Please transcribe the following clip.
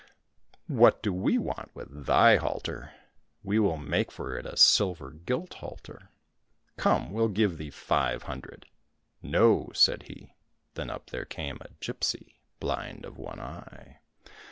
—" What do we want with thy halter } We will make for it a silver gilt halter. Come, we'll give thee five hun dred !"—" No !" said he. Then up there came a gipsy, blind of one eye.